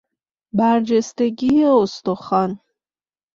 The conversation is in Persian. برجستگی استخوان